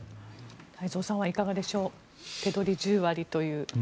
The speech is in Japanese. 太蔵さんはいかがでしょう手取り１０割という。